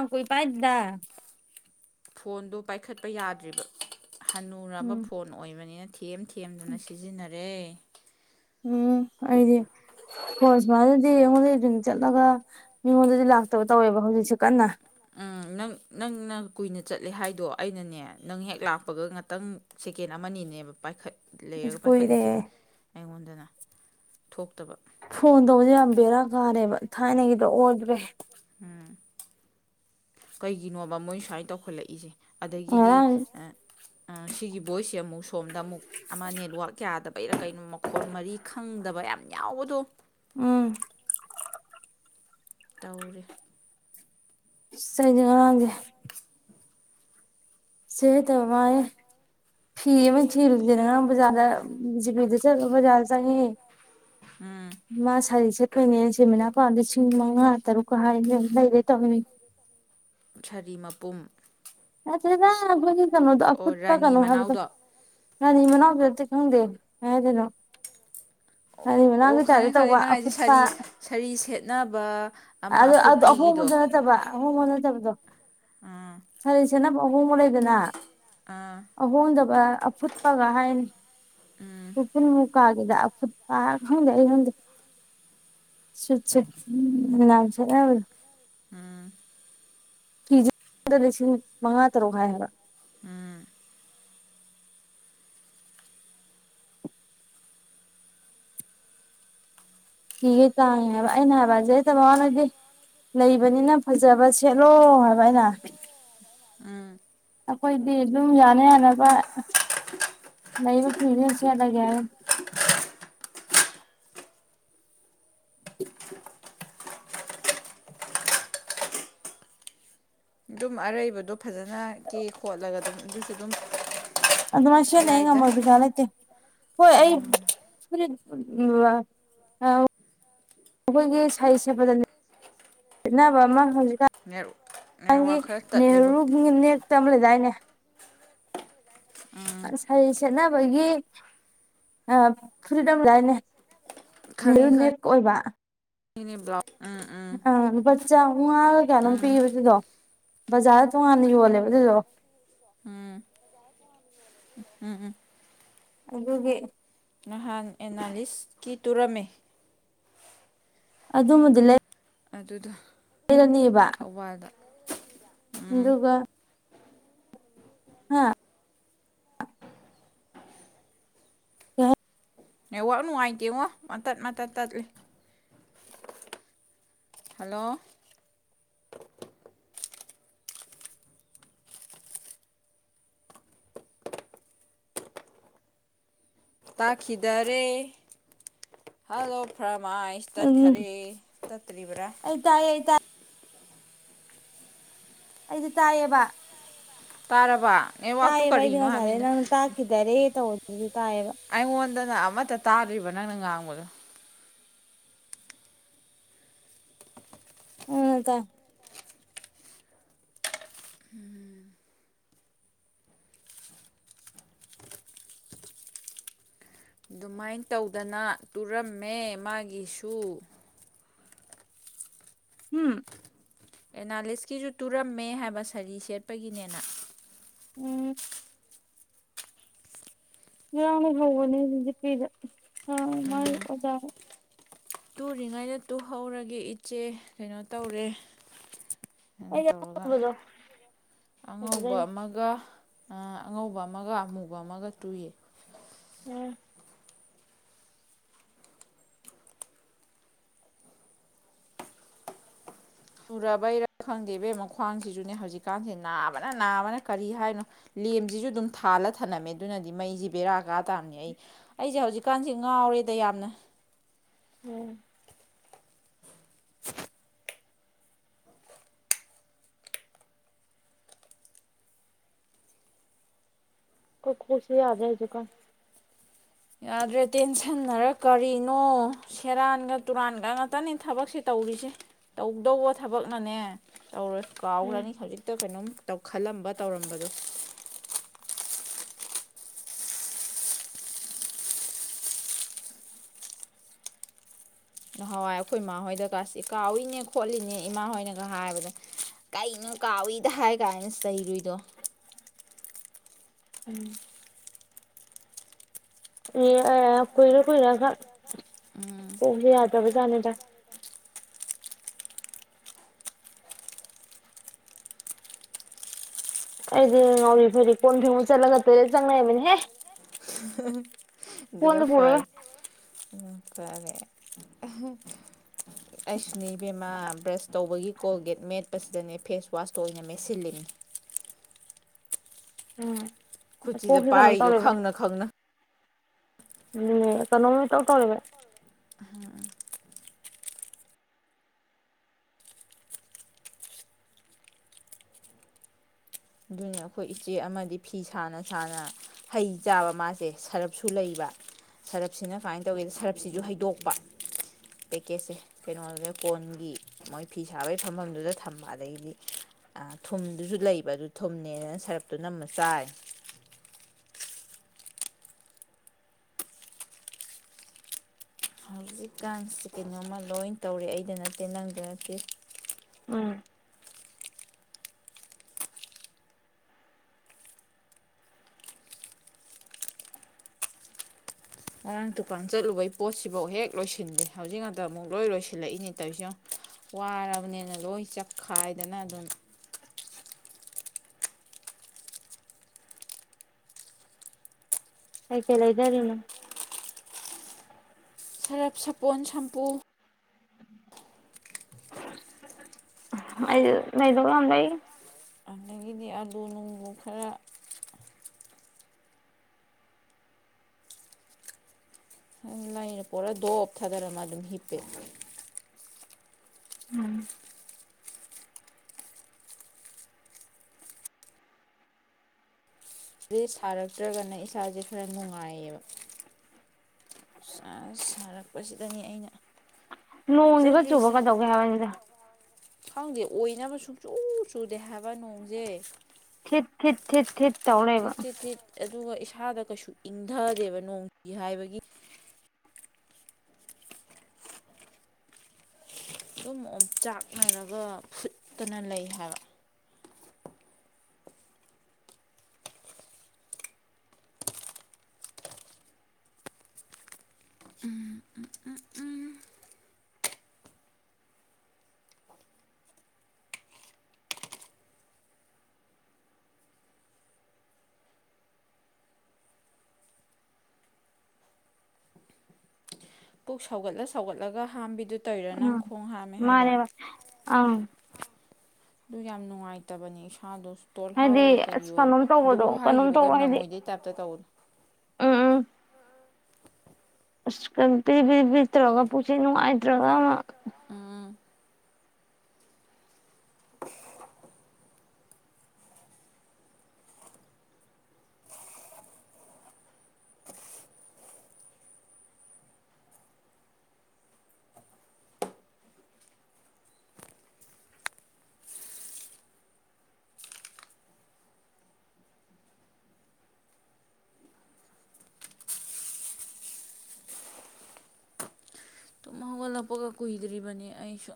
ꯑ ꯀꯣꯏ ꯄꯥꯏꯗ ꯐꯣꯟꯗꯣ ꯄꯥꯏꯈꯠꯄ ꯌꯥꯗ꯭ꯔꯤꯕ ꯍꯅꯨꯔꯕ ꯎꯝ ꯐꯣꯟ ꯑꯣꯏꯕꯅꯤꯅ ꯊꯦꯝ ꯊꯦꯝꯗꯨꯅ ꯁꯤꯖꯤꯟꯅꯔꯦ ꯎꯝ ꯍꯥꯏꯗꯤ ꯍꯣꯏ ꯁꯨꯃꯥꯏꯅꯗꯤ ꯑꯩꯉꯣꯟꯗꯩ ꯑꯗꯨꯝ ꯆꯠꯂꯒ ꯃꯤꯉꯣꯟꯗꯗꯤ ꯂꯥꯛꯇꯕ ꯇꯧꯋꯦꯕ ꯍꯧꯖꯤꯛꯁꯦ ꯀꯟꯅ ꯎꯝ ꯅꯪ ꯅꯪꯅ ꯀꯨꯏꯅ ꯆꯠꯂꯦ ꯍꯥꯏꯗꯣ ꯑꯩꯅꯅꯦ ꯅꯪ ꯍꯦꯛ ꯂꯥꯛꯄꯒ ꯉꯥꯛꯇꯪ ꯇꯀꯦꯠ ꯑꯃꯅꯤꯅꯦꯕ ꯄꯥꯏꯈꯠ ꯑꯁ ꯂꯩꯔꯒ ꯀꯨꯏꯔꯦ ꯄꯥꯏꯈꯠꯂꯤꯁꯦ ꯑꯩꯉꯣꯟꯗꯅ ꯊꯣꯛ ꯐꯣꯟ ꯇꯧꯕꯁ ꯌꯥꯝ ꯕꯦꯔꯥ ꯀꯥꯔꯦꯕ ꯊꯥꯏꯅꯒꯤꯗꯣ ꯑꯣꯗ꯭ꯔꯦ ꯎꯝ ꯀꯩꯒꯤꯅꯣꯕ ꯃꯣꯏ ꯁꯨꯃꯥꯏꯅ ꯇꯧꯈꯠꯂꯛꯏꯁꯦ ꯑꯗꯒꯤꯗꯤ ꯉꯔꯥꯡ ꯁꯤꯒꯤ ꯚꯣꯏꯁꯁꯦ ꯑꯃꯨꯛ ꯁꯣꯝꯗ ꯑꯃꯨꯛ ꯑꯃ ꯅꯦꯠꯋꯥꯛ ꯀꯌꯥꯗꯕ ꯀꯩꯔ ꯀꯩꯅꯣ ꯃꯈꯣꯟ ꯃꯔꯤ ꯈꯪꯗꯕ ꯌꯥꯝ ꯌꯥꯎꯕꯗꯣ ꯎꯝ ꯇꯧꯔꯤꯦ ꯁꯦ ꯁꯤꯦ ꯇꯕ ꯃꯥꯌꯦꯦ ꯐꯤ ꯃꯤ ꯊ ꯂꯗꯅ ꯖ ꯃꯤꯗ ꯆ ꯖ ꯆ ꯎꯝ ꯃꯥ ꯁꯔꯤꯁ ꯀꯣꯏꯅꯦ ꯁꯤꯦꯃꯤ ꯂꯄꯥ ꯂꯤꯁꯤꯡ ꯃꯉꯥ ꯇꯔꯨꯛꯀ ꯍꯥꯏꯅ ꯂꯩꯔꯦ ꯇꯧꯅꯤ ꯈꯔꯤ ꯃꯄꯨꯝ ꯅꯠꯇꯦ ꯑꯩꯈꯣꯏꯒꯤ ꯀꯩꯅꯣꯗꯣ ꯑꯣ ꯑꯨꯠꯄ ꯔꯥꯅꯤ ꯀꯩꯅꯣ ꯍꯥꯏꯕꯗꯣ ꯃꯅꯥꯎꯗꯣ ꯉꯔꯤ ꯃꯅꯥꯎ ꯎꯝꯗꯦꯗꯅꯣ ꯑꯣ ꯑꯣ ꯈꯪꯉꯦ ꯈꯪꯉꯦ ꯅꯪ ꯍꯥꯏꯥꯏꯗꯤꯦ ꯁꯥꯔꯤ ꯁꯥꯔꯤ ꯁꯦꯠꯅꯕ ꯑꯃ ꯑꯗꯨ ꯑꯗꯨ ꯑꯐꯨꯠꯄꯤꯒꯤꯗꯣ ꯑꯍꯣꯡꯕꯗ ꯅꯠꯇꯕ ꯑꯍꯣꯡꯕꯗ ꯅꯠꯇꯕꯗꯣ ꯑꯥ ꯁꯥꯔꯤ ꯁꯦꯅꯝ ꯑꯍꯣꯡꯕ ꯂꯩꯗꯅ ꯑꯥ ꯑꯍꯣꯡꯗ ꯑꯐꯨꯠꯄꯒ ꯍꯥꯏꯅꯤꯄꯨꯟꯃꯨꯛ ꯒꯗ ꯐꯠꯄ ꯍ ꯁꯨ ꯎꯁꯕ ꯑꯝ ꯐꯤꯖꯗ ꯂꯤꯁꯤꯡ ꯃꯉꯥ ꯇꯔꯨꯛ ꯍꯥꯏꯕ ꯎꯝ ꯊꯒ ꯇꯥꯏ ꯑꯩꯅ ꯍꯥꯏꯕꯖ ꯇ ꯃꯗꯤꯦ ꯂꯩꯕꯅꯤꯅ ꯐꯖꯕ ꯁꯦꯠꯂꯣ ꯍꯥꯏꯕ ꯑꯩꯅ ꯑꯩꯈꯣꯏꯗꯤ ꯑꯗꯨꯝ ꯌꯥꯅ ꯌꯥꯅꯕ ꯂꯩ ꯃ ꯐꯤꯁꯤ ꯌꯥꯗꯒ ꯑꯗꯨꯝ ꯑꯔꯩꯕꯗꯣ ꯐꯖꯅ ꯀꯦ ꯈꯣꯠꯂꯒ ꯑꯗꯨꯝ ꯑꯗꯨꯁꯨ ꯑꯗꯨꯝ ꯑꯗꯨꯗ ꯃꯁꯌꯥꯅ ꯌꯥꯏꯗ ꯍꯉꯃ ꯆꯥꯂꯥꯏꯇꯩ ꯍꯣꯏ ꯑꯩ ꯑꯩꯈꯣꯏꯒꯤ ꯁꯥꯍꯤ ꯁꯦꯕꯗ ꯈꯦꯅꯕ ꯑꯃ ꯍꯧꯖꯤꯛ ꯅꯦꯠ ꯒꯤ ꯅꯦꯠꯋꯥꯛ ꯈꯔ ꯇꯠꯂꯦꯕꯣ ꯅꯦꯍꯔꯨ ꯅꯛꯇꯝ ꯂꯩꯗꯥꯏꯅꯦ ꯎꯝ ꯁꯔꯤ ꯁꯦꯠꯅꯕꯒꯤ ꯐꯨꯔꯤꯠ ꯑꯃꯝꯗꯥꯏꯅꯦ ꯈꯪꯉꯦ ꯅꯦꯔꯨ ꯅꯦꯛ ꯑꯣꯏꯕ ꯕ꯭ꯂꯥꯎ ꯎꯝ ꯎꯝ ꯑ ꯆꯥꯃꯨꯉꯥꯒ ꯀꯌꯥꯅꯣꯝ ꯎꯝ ꯄꯤꯕ ꯑꯗꯨꯗꯣ ꯕꯖꯥꯔꯗ ꯇꯣꯡꯉꯥꯟꯅ ꯌꯣꯜꯂꯦꯕ ꯑꯗꯨꯗꯣ [inaudible] ꯎꯝ ꯑꯗꯨꯒꯤ ꯅꯍꯥꯟ ꯑꯦꯅꯥꯂꯤꯁꯀꯤꯤ ꯇꯨꯔꯝꯃꯤ ꯑꯗꯨꯝꯕꯗꯨ ꯂꯩ ꯑꯗꯨꯗ ꯂꯩꯔꯅꯤꯕ ꯑꯗꯨꯒ ꯍꯥꯥ ꯑ ꯑꯦ ꯋꯥꯋꯥꯛ ꯅꯨꯡꯉꯥꯏꯇꯦꯉꯣ ꯃꯇꯠ ꯃꯇꯠ ꯇꯠꯂꯤ ꯍꯜꯂꯣ ꯇꯥꯈꯤꯗꯔꯦ ꯍꯂꯣ ꯐ꯭ꯔ ꯃꯥꯥꯏꯁ ꯎꯝ ꯇꯠꯈꯔꯦ ꯇꯠꯇ꯭ꯔꯤꯕ꯭ꯔꯥ ꯑꯩ ꯇꯥꯏꯌꯦ ꯑꯩ ꯇꯥꯏ ꯑꯩꯗꯤ ꯇꯥꯏꯌꯦꯕ ꯇꯥꯔꯕ ꯅꯦꯠꯋꯥꯛꯇꯨ ꯇꯥꯏꯌꯦ ꯀꯔꯤꯅꯣ ꯩꯗꯅꯁꯔꯦ ꯍꯥꯏꯕꯅꯤꯅ ꯅꯪ ꯇ ꯍꯥꯀꯔꯦ ꯇ ꯑꯩꯉꯣꯟꯗꯅ ꯑꯃꯠꯇ ꯇꯥꯗ꯭ꯔꯤꯕ ꯅꯪꯅ ꯉꯥꯡꯕꯗꯣ ꯎꯗ ꯑꯗꯨꯃꯥꯏ ꯇꯧꯗꯅ ꯇꯨꯔꯝꯃꯦ ꯃꯥꯒꯤꯁꯨ ꯎꯝ ꯑꯦꯅꯥꯂꯤꯁꯀꯤꯁꯨ ꯇꯨꯔꯝꯃꯦ ꯍꯥꯏꯕ ꯁꯥꯔꯤ ꯁꯦꯠꯄꯒꯤꯅꯦꯅ ꯎꯝ ꯌꯥꯝꯅ ꯍꯧꯕꯅꯤ ꯍꯧꯖꯤꯄꯤꯤꯗ ꯑ ꯃꯥꯥꯏ ꯑꯣꯖꯥ ꯇꯨꯔꯤꯉꯩꯗ ꯇꯨꯍꯧꯔꯒꯦ ꯏꯠꯆꯦ ꯀꯩꯅꯣ ꯇꯧꯔꯦ ꯑꯗꯨꯅ ꯑꯩ ꯇꯧꯔꯒ ꯑꯗꯣ ꯑꯉꯧꯕ ꯑꯗꯨꯗꯩꯅ ꯑꯃꯒ ꯑ ꯑꯉꯧꯕ ꯑꯃꯒ ꯑꯃꯨꯕ ꯑꯃꯒ ꯇꯨꯏꯏ ꯎꯝ ꯁꯨꯔꯕꯩꯔꯥ ꯈꯪꯗꯦ ꯏꯕꯦꯝ ꯃꯈ꯭ꯡꯁꯤꯁꯨꯅꯦ ꯍꯧꯖꯤꯛꯀꯥꯟꯁꯦ ꯅꯥꯕꯅ ꯅꯥꯕꯅ ꯀꯔꯤ ꯍꯥꯏꯅꯣ ꯂꯦꯝꯁꯤꯁꯨ ꯑꯗꯨꯝ ꯊꯥꯜꯂ ꯊꯝꯂꯝꯝꯃꯦ ꯑꯗꯨꯅꯗꯤ ꯃꯩꯁꯤ ꯕꯦꯔꯥꯛ ꯗꯔꯀꯥ ꯇꯥꯔꯅꯤ ꯑꯩ ꯑꯩꯁꯦ ꯍꯧꯖꯤꯛꯀꯥꯟꯁꯦ ꯉꯥꯎꯔꯤꯦꯗ ꯌꯥꯝꯅ ꯎꯝ ꯀꯣꯏ ꯈꯨꯁꯤ ꯌꯥꯗꯏꯖꯀ ꯌꯥꯗ꯭ꯔꯦ ꯇꯦꯟꯁꯟꯅꯔꯦ ꯀꯔꯤꯅꯣ ꯁꯦꯔꯥꯟꯒ ꯇꯨꯔꯥꯟꯒ ꯉꯥꯛꯇꯅꯤ ꯊꯕꯛꯁꯦ ꯇꯧ ꯇꯧꯔꯤꯁꯦ ꯇꯧꯗꯧꯕ ꯊꯕꯛꯅꯅꯦ ꯀꯥꯎꯈ꯭ꯔꯅꯤ ꯎꯝ ꯈꯖꯤꯛꯇ ꯀꯩꯅꯣꯝꯧ ꯈꯜꯂꯝꯕ ꯇꯧꯔꯝꯕꯗꯣ ꯅꯍꯥꯟꯋꯥꯏ ꯑꯩꯈꯣꯏ ꯏꯃꯥꯍꯣꯏꯗꯒ ꯀꯥꯎꯏꯅꯦ ꯈꯣꯠꯂꯤꯅꯦ ꯏꯃꯥ ꯍꯣꯏꯅꯒ ꯍꯥꯏꯕꯗꯣ ꯀꯩꯅꯣ ꯀꯥꯎꯏꯗ ꯍꯥꯏ ꯀꯥꯏꯅ ꯆꯩꯔꯨꯏꯗꯣ [unintelligible] ꯎꯝ ꯀꯣꯏꯔꯈꯣꯏꯔ ꯈ ꯎꯝ ꯀ ꯌꯥꯗꯕꯖꯥꯅꯦꯗ ꯑꯩꯗꯤ ꯉꯥꯎꯔꯤ ꯐꯗꯤ ꯀꯣꯟ ꯐꯕ ꯆꯠꯂꯒ ꯇꯂꯦ ꯆꯪꯅꯕꯅꯤꯍꯦ ꯖꯅꯤꯖꯐꯔ ꯑꯗꯨꯇꯥꯔꯦ ꯑꯩꯁꯨꯅꯤ ꯕꯦꯝꯃꯥ ꯕ꯭ꯔꯁ ꯇꯧꯕꯒꯤ ꯀꯣꯜꯒꯦꯠ ꯃꯦꯠꯄꯁꯤꯗꯅꯦ ꯐꯦꯁꯋꯥꯁꯇꯣ ꯑꯣꯏꯅ ꯃꯦꯠꯁꯤꯜꯂꯤꯅꯤ [unintelligible] ꯎꯝ ꯈꯨꯁꯤꯤꯗ ꯄꯥꯏꯔꯤꯗꯣ ꯈꯪꯅ ꯈꯪꯅ ꯎꯝ ꯀꯅꯣꯃꯤ ꯇꯧ ꯇꯧꯔꯕ ꯑꯗꯨꯅ ꯑꯩꯈꯣꯏ ꯏꯆꯦ ꯑꯃꯗꯤ ꯐꯤ ꯁꯥꯅ ꯁꯥꯅ ꯍꯩ ꯆꯥꯕ ꯃꯥꯁꯦ ꯁꯔꯞꯁꯨ ꯂꯩꯕ ꯁꯔꯞꯁꯤꯅ ꯀꯃꯥꯏꯅ ꯇꯧꯒꯦꯗ ꯁꯔꯞꯁꯤꯁꯨ ꯍꯩꯗꯣꯛꯄ ꯄꯦꯛꯀꯦꯖꯁꯦ ꯀꯩꯅꯣꯗꯨꯗ ꯀꯣꯟꯒꯤ ꯃꯣꯏ ꯐꯤ ꯁꯥꯕꯒꯤ ꯐꯝꯐꯝꯗꯨꯗ ꯊꯝꯕ ꯑꯗꯒꯤꯗꯤ ꯊꯨꯝꯗꯨꯁꯨ ꯂꯩꯕ ꯑꯗꯨ ꯊꯨꯝꯅꯦꯅꯅ ꯁꯔꯞꯇꯨ ꯅꯝꯃ ꯆꯥꯏ ꯍꯧꯖꯤꯛꯀꯥꯟꯁꯦ ꯀꯩꯅꯣꯝꯃ ꯂꯣꯏ ꯇꯧꯔꯦ ꯑꯩꯗ ꯅꯠꯇꯦ ꯅꯪꯗ ꯅꯠꯇꯦ ꯎꯝ ꯉꯔꯥꯡ ꯗꯨꯀꯥꯟ ꯆꯠꯂꯨꯕꯩ ꯄꯣꯠꯁꯤꯐꯥꯎ ꯍꯦꯛ ꯂꯣꯏꯁꯤꯟꯗꯦ ꯍꯧꯖꯤꯛ ꯉꯇ ꯑꯃꯨꯛ ꯂꯣꯏ ꯂꯣꯏꯁꯤꯜꯂꯛꯏꯅꯦ ꯇꯧꯔꯤꯁꯅꯣ ꯋꯥꯔꯕꯅꯤꯅ ꯂꯣꯏ ꯆꯠꯈꯥꯏꯗꯅ ꯑꯗꯨꯝ ꯑ ꯀꯦꯂ ꯏꯔꯦꯅ ꯁꯔꯞ ꯁꯥꯄꯣꯟ ꯁꯝꯄꯨ ꯑꯩ ꯑꯩꯗꯂꯗꯏ ꯑꯩꯗꯤ ꯑꯥꯂꯨ ꯅꯣꯡꯕꯨꯨ ꯈꯔ ꯂꯩꯥꯏꯅ ꯄꯨꯔꯥ ꯗꯣ ꯑꯣꯞ ꯊꯥꯗꯔꯃ ꯑꯗꯨꯝ ꯍꯤꯞꯄꯦ ꯑꯦ ꯁꯥꯔꯛꯇ꯭ꯔꯒꯅ ꯏꯁꯥꯁꯦ ꯈꯔ ꯅꯨꯡꯉꯥꯏꯌꯦꯕ ꯁꯥꯔꯛꯄꯁꯤꯗꯅꯤ ꯑꯩꯅ ꯅꯣꯡꯁꯤꯒ ꯆꯨꯕ ꯄꯥꯝꯖꯗ꯭ꯔꯤꯁꯦ ꯀꯗꯧꯒꯦ ꯍꯥꯏꯕꯅꯤꯗ ꯈꯪꯗꯦ ꯑꯣꯏꯅꯕ ꯁꯨꯡꯛꯆꯨ ꯆꯨꯗꯦ ꯍꯥꯏꯕ ꯅꯣꯡꯁꯦ ꯊꯤꯠ ꯊꯠ ꯊꯠ ꯊꯠ ꯇꯤꯠ ꯆꯤꯠ ꯇꯤꯠ ꯑꯗꯨꯒ ꯏꯁꯥꯗ ꯀꯩꯁꯨ ꯏꯪꯊꯗꯦꯕ ꯅꯣꯡꯁꯤ ꯍꯥꯏꯕꯒꯤ ꯑꯗꯨꯝ ꯑꯣꯝꯆꯥꯛꯅꯔꯒ ꯐꯨꯠꯇꯅ ꯂꯩ ꯍꯥꯏꯕ ꯄꯨꯛ ꯁꯥꯎꯒꯠꯂ ꯁꯧꯒꯠꯂꯒ ꯍꯥꯝꯕꯤꯗꯨ ꯇꯧꯔꯤꯔꯥ ꯎꯝ ꯅꯪ ꯈꯣꯡ ꯍꯥꯝꯃꯦ ꯍꯥꯏꯗꯣ ꯃꯥꯔꯦ ꯑ ꯑꯗꯨ ꯌꯥꯝ ꯅꯨꯡꯉꯥꯏꯇꯕꯅꯦ ꯏꯁꯥꯗꯣꯁꯨ ꯇꯣꯜꯍꯥꯎꯑꯣ ꯍꯥꯏꯗꯤ ꯑꯣꯏ ꯀꯔꯤ ꯑꯁ ꯑꯣꯏ ꯀꯩꯅꯣꯝ ꯇꯧꯕꯗꯣ ꯒꯨꯔꯨ ꯀꯩꯅꯣꯝ ꯍꯥꯏꯈꯤꯕꯒ ꯇꯧꯕ ꯅꯪꯉꯣꯏꯗꯩ ꯇꯥꯏꯞꯇ ꯇꯧ ꯑꯝ ꯑꯁ ꯀ ꯄꯤ ꯄꯤ ꯄꯤꯗ꯭ꯔꯒ ꯄꯨꯁꯤ ꯅꯨꯡꯉꯥꯏꯇ꯭ꯔꯒ ꯑꯃ ꯎꯝ ꯑꯣꯜꯂꯛꯄꯒ ꯀꯨꯏꯗ꯭ꯔꯤꯕꯅꯤ ꯑꯩꯁꯨ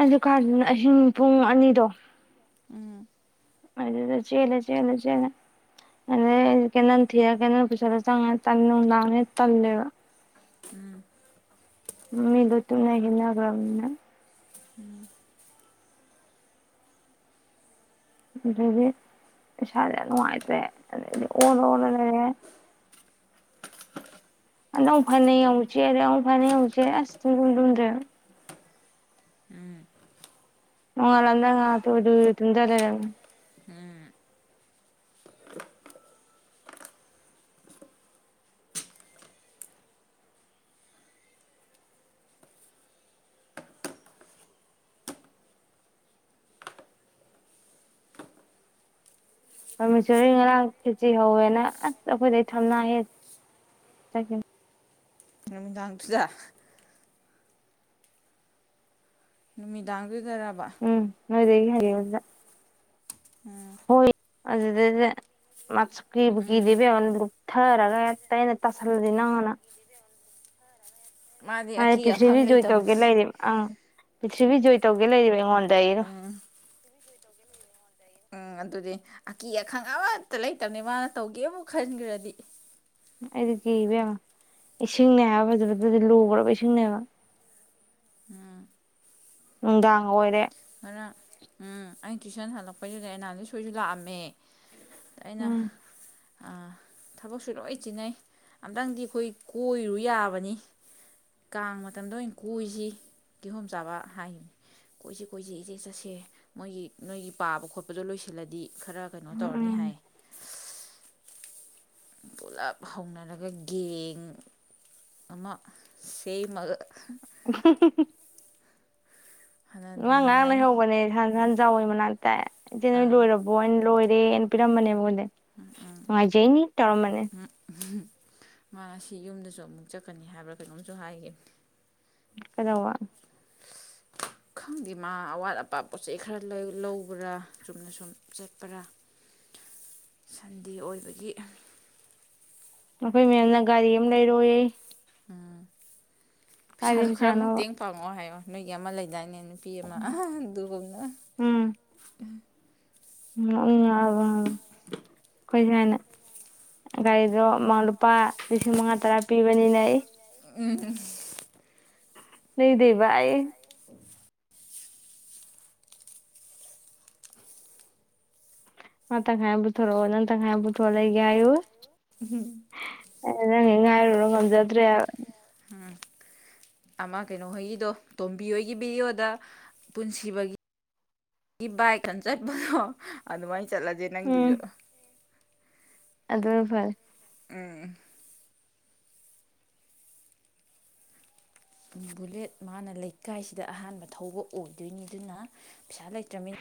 ꯑꯗꯨ ꯀꯅ ꯑꯍꯤꯡ ꯄꯨꯡ ꯑꯅꯤꯗꯣ ꯑꯗꯨ ꯆꯂ ꯆꯂ ꯆꯂ ꯑ ꯀ ꯊꯤꯔ ꯀ ꯇꯗꯥꯦ ꯇꯂꯦꯕ ꯃꯃꯤꯗꯠꯇꯅ ꯍꯟꯅꯒ꯭ꯔꯅ ꯑꯗꯨꯗꯤ ꯁꯔꯦ ꯅꯨꯡꯉꯥꯏꯇ꯭ꯔꯦꯗꯤ ꯑꯣꯔ ꯑꯣꯔ ꯂꯩꯔꯦ ꯑꯎ ꯐꯥꯟꯅ ꯌꯥꯧꯁꯦ ꯑꯗꯨ ꯅꯥꯎ ꯐꯥꯟꯅꯎꯁꯦ ꯑ ꯊꯨꯡ ꯀꯟꯗꯨꯝꯗ꯭ꯔ ꯎꯉ ꯂꯗꯉ ꯇꯖꯔꯔꯃꯦ ꯃꯤꯁꯣꯔꯤ ꯉꯔꯥꯡ ꯐꯦꯆꯤ ꯍꯧꯧꯋꯦꯅ ꯑꯁ ꯑꯩꯈꯣꯏꯗꯩ ꯊꯝꯅꯑ ꯇꯀꯦꯟ ꯅꯨꯃꯤꯗꯥꯡꯗꯨꯖꯥ ꯅꯨꯃꯤꯗꯥꯡꯒꯤꯗꯔꯕ ꯑꯗꯨꯗ ꯍꯥꯏꯔꯗ ꯍꯣꯏ ꯑꯁꯤ ꯃꯁꯨ ꯀꯕꯨ ꯎꯝ ꯀꯤꯗꯤꯕꯤ ꯂꯨꯞꯊꯔꯒ ꯇꯩꯅ ꯇꯁꯜꯂꯗꯤꯅ ꯍꯅ ꯃꯥꯗꯤ ꯑꯀꯤ ꯄ꯭ꯊꯤꯕꯤ ꯑꯈꯪ ꯖꯣꯏ ꯂꯩꯇꯕꯅꯤ ꯇꯧꯒꯦ ꯂꯩ ꯑꯪ ꯄꯤꯊꯤꯕꯤꯖꯣꯏ ꯇꯧꯒꯦ ꯂꯩ ꯍꯣꯟꯗꯏꯩꯅ ꯎꯝ ꯎꯝ ꯑꯗꯨꯗꯤ ꯑꯀꯤ ꯑꯈꯪ ꯑꯃꯠꯇ ꯂꯩꯇꯕꯅꯤ ꯃꯥꯅ ꯇꯧꯒꯦꯕꯨ ꯈꯟꯈ꯭ꯔꯗꯤ ꯑꯩꯗꯤ ꯀꯤꯕꯃ ꯏꯁꯤꯡꯅꯦ ꯍꯥꯏꯕ ꯐꯖꯗꯗꯤ ꯂꯨꯈ꯭ꯔꯕ ꯏꯁꯤꯡꯅꯦꯕ [unintelligible] ꯎꯝ ꯅꯨꯡꯗꯥꯡ ꯑꯣꯏꯔꯦ ꯉꯔꯥꯡ ꯎꯝ ꯑꯩꯅ ꯇꯨꯏꯁꯟ ꯍꯜꯂꯛꯄꯩꯁꯤꯗ ꯑꯅꯥꯂꯤ ꯁꯣꯏꯁꯨ ꯂꯥꯛꯑꯝꯃꯦ ꯑꯩꯅ ꯎꯝ ꯊꯕꯛꯁꯨ ꯂꯣꯏ ꯆꯤꯟꯅꯩ ꯑꯝꯇꯪꯗꯤ ꯑꯩꯈꯣꯏ ꯀꯣꯏꯔꯨ ꯌꯥꯕꯅꯤ ꯀꯥꯡ ꯃꯇꯝꯗ ꯑꯣꯏꯅ ꯀꯣꯏꯏꯁꯤ ꯀꯤꯍꯣꯝꯆꯥꯥꯕ ꯍꯥꯏꯈꯤꯕꯅꯤ ꯀꯣꯏꯁꯤ ꯀꯣꯏꯁꯤ ꯏꯆꯦ ꯆꯠꯁꯦ ꯃꯣꯏꯒꯤ ꯅꯣꯏꯒꯤ ꯄꯥꯕ ꯈꯣꯠꯄꯗꯣ ꯂꯣꯏꯁꯤꯜꯂꯗꯤ ꯈꯔ ꯀꯩꯅꯣ ꯇꯧꯔꯅꯤ ꯎꯝ ꯍꯥꯏ ꯄꯨꯂꯞ ꯍꯧꯅꯔꯒ ꯒꯦꯡ ꯑꯃ ꯁꯦꯝꯃꯒ ꯍꯥꯟꯅ ꯑꯗꯨꯝ ꯉꯥꯡ ꯉꯍꯥꯡꯅ ꯅꯨꯡꯉꯥꯏꯅꯤ ꯍꯧꯕꯅꯦ ꯁꯍꯟ ꯍꯥꯟ ꯆꯥꯎꯩ ꯃꯅꯥꯛꯇ ꯏꯆꯦ ꯅꯣꯏ ꯑꯥ ꯂꯣꯏꯔꯕꯣꯅ ꯂꯣꯏ ꯅ ꯄꯤꯔꯝꯕꯅꯦ ꯃꯉꯣꯟꯗ ꯅꯨꯡꯉꯥꯏꯖꯩꯅꯤ ꯇꯧꯔꯝꯕꯅꯦ ꯃꯥꯅ ꯁꯤ ꯌꯨꯝꯗꯁꯨ ꯑꯃꯨꯛ ꯆꯠꯀꯅꯤ ꯍꯥꯏꯕ꯭ꯔꯥ ꯀꯩꯅꯣꯝꯁꯨ ꯍꯥꯏꯈꯤꯕꯅꯤ ꯀꯗ ꯋꯥ ꯈꯪꯗꯦ ꯃꯥ ꯑꯋꯥꯠ ꯑꯄꯥ ꯄꯣꯠ ꯆꯩ ꯈꯔ ꯂꯧꯕ꯭ꯔꯥ ꯆꯨꯝꯅ ꯁꯨꯝ ꯆꯠꯄ꯭ꯔꯥ [unintelligible] ꯁꯟꯗꯤ ꯑꯣꯏꯕꯒꯤ ꯑꯩꯈꯣꯏ ꯃꯦꯝꯅ ꯒꯥꯔꯤ ꯑꯃ ꯂꯩꯔꯣꯏꯌꯦ ꯎꯝ ꯄꯩꯁꯥꯗꯨꯣ ꯈꯔ ꯄꯩꯁꯥꯅꯣꯕ ꯃꯇꯦꯡ ꯄꯥꯡꯉꯑꯣ ꯍꯥꯏꯌꯣ ꯅꯣꯏꯒꯤ ꯑꯃ ꯂꯩꯗꯥꯅꯦ ꯄꯤꯃ ꯝꯅ ꯎ ꯑ [unintelligible] ꯑꯩꯈꯣꯏ ꯁꯨꯃꯥꯏꯅ ꯒꯥꯔꯤꯗꯣ ꯂꯨꯄꯥ ꯂꯤꯁꯤꯡ ꯃꯉꯥ ꯇꯔꯥ ꯄꯤꯕꯅꯤꯅ ꯑꯩ ꯎ ꯅꯗꯤꯚꯥꯏ ꯍ ꯇ ꯈꯥꯏꯕꯕꯨꯊꯔ ꯋꯥꯅꯟ ꯈꯥꯏꯕꯨꯊ ꯂꯩ ꯂꯩꯒꯨ ꯎꯝ ꯅꯪ ꯉꯥꯏꯔꯨꯔꯣ ꯉꯝꯖꯗ꯭ꯔꯦ ꯑꯃ ꯀꯩꯅꯣ ꯍꯣꯏꯒꯤꯗꯣ ꯇꯣꯝꯕꯤ ꯍꯣꯏꯒꯤ ꯚꯤꯗꯤꯑꯣꯗ ꯄꯨꯟꯁꯤꯕꯒꯤ ꯑꯩꯒꯤ ꯕꯥꯏꯛ ꯈ ꯆꯠꯄꯗꯣ ꯑꯗꯨꯃꯥꯏꯅ ꯆꯠꯂꯁꯦ ꯅꯪꯒꯤꯁꯨ ꯑꯗꯨꯗ ꯐꯔꯦ ꯎ ꯕꯨꯂꯦꯠ ꯃꯥꯅ ꯂꯩꯀꯥꯏꯁꯤꯗ ꯑꯍꯥꯟꯕ ꯊꯧꯕ ꯑꯣꯏꯗꯣꯏꯅꯤ ꯑꯗꯨꯅ ꯄꯩꯁꯥ ꯂꯩꯇ꯭ꯔꯃꯤꯅ